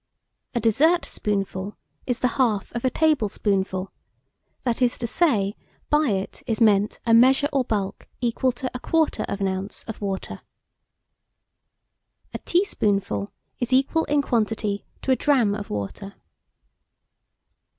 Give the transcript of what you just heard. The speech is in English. A DESSERT SPOONFUL is the half of a table spoonful; that is to say, by it is meant a measure or bulk equal to a quarter of an ounce of water. A TEA SPOONFUL is equal in quantity to a drachm of water.